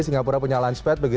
singapura punya launchpad